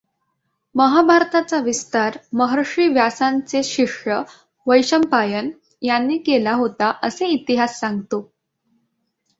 महाभारताचा विस्तार महर्षी व्यासांचे शिष्य वैशंपायन यांनी केला होता असे इतिहास सांगतो.